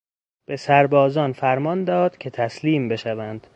به سربازان فرمان داد که تسلیم بشوند.